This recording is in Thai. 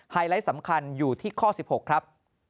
ไลท์สำคัญอยู่ที่ข้อ๑๖ครับ